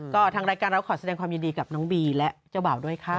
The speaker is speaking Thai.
ก็ทางรายการเราขอแสดงความยินดีกับน้องบีและเจ้าบ่าวด้วยค่ะ